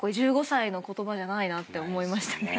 １５歳の言葉じゃないなって思いましたね。